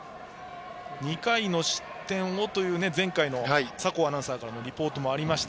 ２回の失点をという前回の酒匂アナウンサーからのリポートもありました。